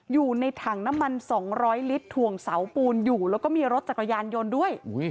อยู่ในถังน้ำมัน๒๐๐ลิตรถ่วงเสาปูนอยู่แล้วก็มีรถจักรยานยนต์ด้วย